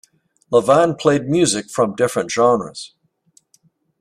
Levan played music from different genres.